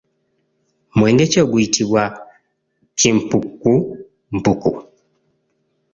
Mwenge ki oguyitibwa kimpukumpuku?